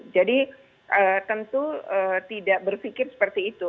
jadi tentu tidak berpikir seperti itu